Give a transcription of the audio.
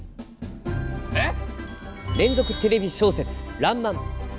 えっ！？